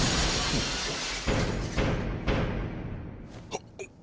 あっ。